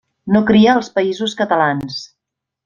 No cria als Països Catalans.